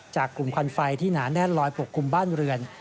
จากกลุ่มควันไฟที่หนาแน่นลอยปกคลุมบ้านเรือน